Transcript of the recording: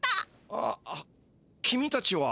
あっ君たちは？